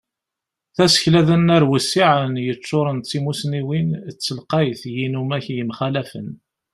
Tasekla d anar wissiɛen, yeččuren d timusniwin d telqayt n yinumak yemxalafen.